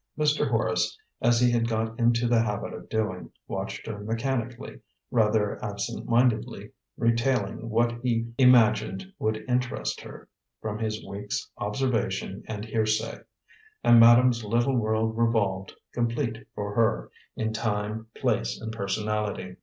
Mr. Horace, as he had got into the habit of doing, watched her mechanically, rather absent mindedly retailing what he imagined would interest her, from his week's observation and hearsay. And madame's little world revolved, complete for her, in time, place, and personality.